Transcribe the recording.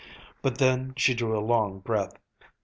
But then she drew a long breath.